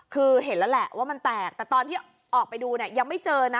คือเห็นแล้วแหละว่ามันแตกแต่ตอนที่ออกไปดูเนี่ยยังไม่เจอนะ